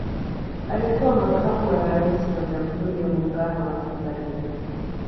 alikuwa makamu wa raisi wa jamhuri ya muungano wa tanzania